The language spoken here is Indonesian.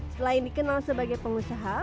selain dikenal sebagai pengusaha